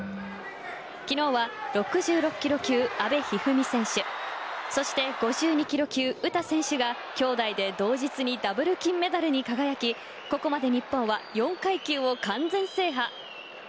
昨日は６６ｋｇ級阿部一二三選手そして、５２ｋｇ級の詩選手が、きょうだいで同日にダブル金メダルに輝きここまで日本は４階級を完全制覇。